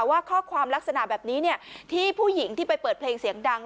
ว่าข้อความลักษณะแบบนี้ที่ผู้หญิงที่ไปเปิดเพลงเสียงดัง